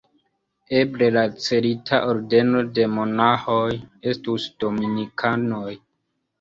Eble la celita ordeno de monaĥoj estus dominikanoj.